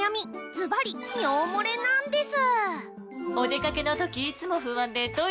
ずばり尿もれなンデス！